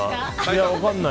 いや、分かんない。